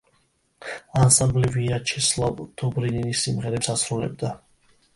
ანსამბლი ვიაჩესლავ დობრინინის სიმღერებს ასრულებდა.